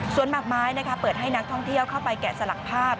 ส่วนหมากไม้เปิดให้นักท่องเที่ยวเข้าไปแกะสลักภาพ